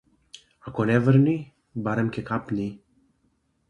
Ако не врни, барем ќе капни.